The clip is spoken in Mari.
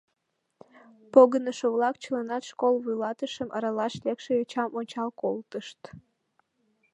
Погынышо-влак чыланат школ вуйлатышым аралаш лекше йочам ончал колтышт.